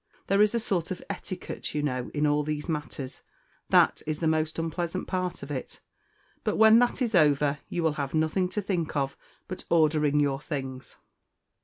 There is a sort of etiquette, you know, in all these matters that is the most unpleasant part of it; but when that is over you will have nothing to think of but ordering your things."